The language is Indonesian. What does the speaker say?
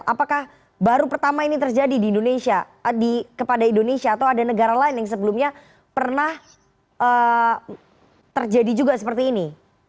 apakah baru pertama ini terjadi di indonesia kepada indonesia atau ada negara lain yang sebelumnya pernah terjadi juga seperti ini